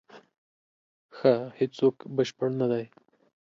ښه، هیڅوک بشپړ نه دی.